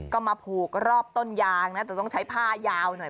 ก็มาผูกรอบต้นยางนะแต่ต้องใช้ผ้ายาวหน่อย